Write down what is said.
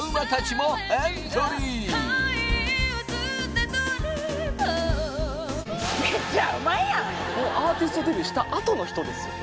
もうアーティストデビューしたあとの人ですよね